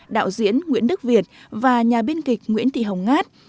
đạo diễn nguyễn đức việt và nhà biên kịch nguyễn thị hồng ngát